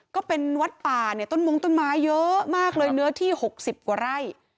ก็เป็นวัดป่าเนี่ยต้นมงต้นไม้เยอะมากเลยเนื้อที่๖๐กว่าไร่